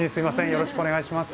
よろしくお願いします。